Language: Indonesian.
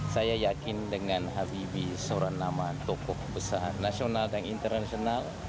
saya yakin dengan habibie seorang nama tokoh besar nasional dan internasional